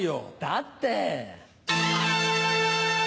だって。